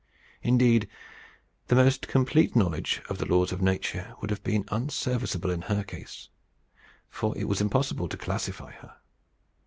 Indeed, the most complete knowledge of the laws of nature would have been unserviceable in her case; for it was impossible to classify her.